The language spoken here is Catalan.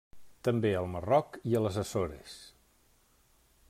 També al Marroc i a les Açores.